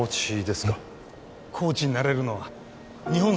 えっコーチになれるのは日本